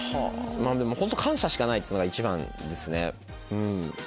本当感謝しかないっつうのが一番ですね。